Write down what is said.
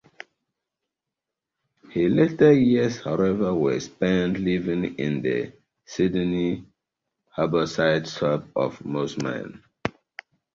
Her later years, however, were spent living in the Sydney harbourside suburb of Mosman.